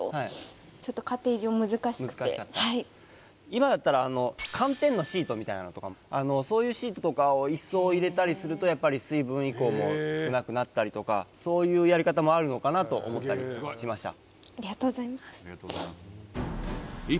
今だったら寒天のシートみたいなのとかもそういうシートとかを一層入れたりすると水分移行も少なくなったりとかそういうやり方もあるのかなと思ったりしました